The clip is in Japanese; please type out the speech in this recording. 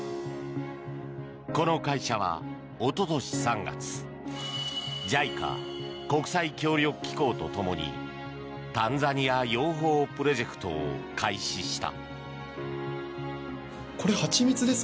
この会社はおととし３月ＪＩＣＡ・国際協力機構とともにタンザニア養蜂プロジェクトを開始した。